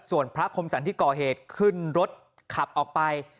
ส่วนพระคมสรรที่ก่อเหตุขึ้นรถขับออกไป